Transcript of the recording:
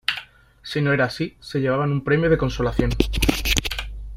Si no era así, se llevaban un premio de consolación.